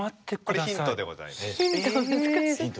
これヒントでございます。